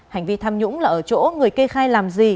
hành vi tham nhũng là ở chỗ người kê khai làm gì